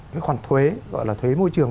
cái khoản thuế gọi là thuế môi trường